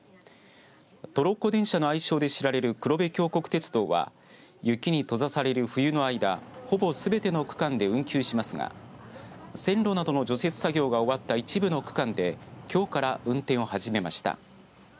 トロッコ電車の愛称で知られる黒部峡谷鉄道は雪に閉ざされる冬の間ほぼすべての区間で運休しますが線路などの除雪作業が終わった一部の区間できょうから運転を始めました。